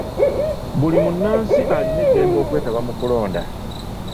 Buli munnansi alina eddembe okwetaba mu kulonda.